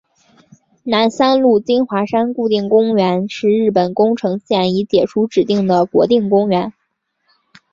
南三陆金华山国定公园是日本宫城县已解除指定的国定公园。